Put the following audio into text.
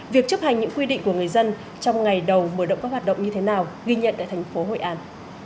việc chấp hành những quy định của người dân trong ngày đầu mở động các hoạt động như thế nào ghi nhận tại thành phố hội an